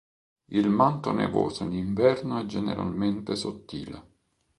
Il manto nevoso in inverno è generalmente sottile.